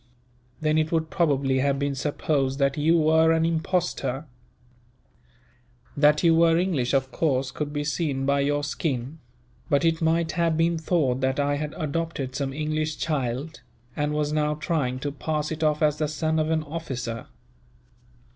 Then it would probably have been supposed that you were an impostor. That you were English, of course could be seen by your skin; but it might have been thought that I had adopted some English child, and was now trying to pass it off as the son of an officer."